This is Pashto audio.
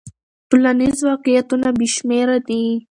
ټولنیز واقعیتونه بې شمېره دي.